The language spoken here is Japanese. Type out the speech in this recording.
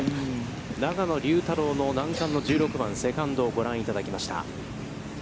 永野竜太郎の難関の１６番、セカンドをご覧いただきました。